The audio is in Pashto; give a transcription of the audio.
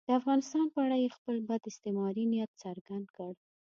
د افغانستان په اړه یې خپل بد استعماري نیت څرګند کړ.